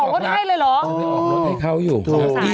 ออกรถให้เลยเหรอ